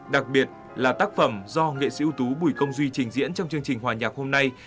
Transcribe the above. đặc biệt là tác phẩm do nghệ sĩ ưu tú bùi công duy trình diễn trong chương trình hòa nhạc hôm nay